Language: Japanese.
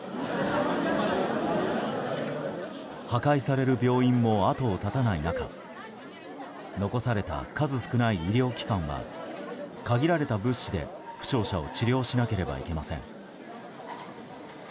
破壊される病院も後を絶たない中残された数少ない医療機関は限られた物資で負傷者を治療しなければいけません。